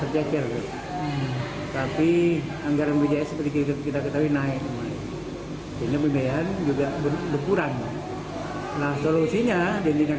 pasti anggaran inhalasi bila juga kita ketahui naik b glue main gitu hai nah solusinya dengan